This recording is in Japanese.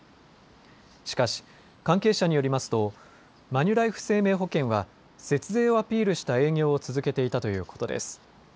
しかし、関係者によりますとマニュライフ生命保険は節税をアピールした営業を続けていたということです。